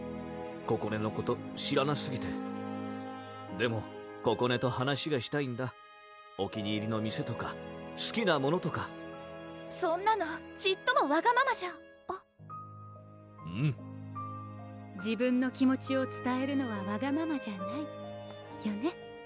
ここねのこと知らなすぎてでもここねと話がしたいんだお気に入りの店とかすきなものとかそんなのちっともわがままじゃあっうん自分の気持ちをつたえるのはわがままじゃないよね？